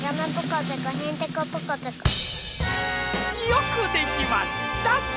よくできました！